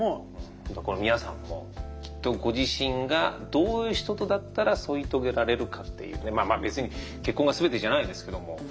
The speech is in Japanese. このみあさんもきっとご自身がどういう人とだったら添い遂げられるかっていうねまあまあ別に結婚が全てじゃないですけども。